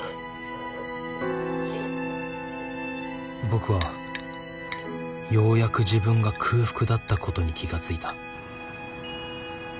僕はようやく自分が空腹だったことに気が付いた。